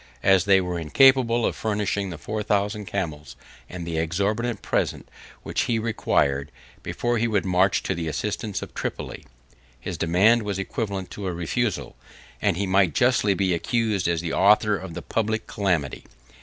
As they were incapable of furnishing the four thousand camels, and the exorbitant present, which he required, before he would march to the assistance of Tripoli; his demand was equivalent to a refusal, and he might justly be accused as the author of the public calamity.